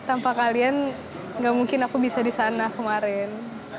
tanpa kalian nggak mungkin aku bisa di sana kemarin